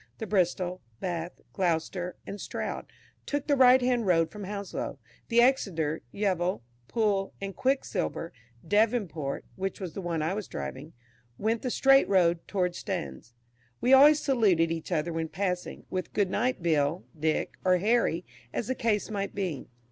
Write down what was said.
The Bristol, Bath, Gloucester and Stroud, took the right hand road from Hounslow; the Exeter, Yeovil, Poole, and "Quicksilver," Devonport (which was the one I was driving), went the straight road towards Staines. We always saluted each other when passing, with "Good night, Bill," "Dick," or "Harry," as the case might be.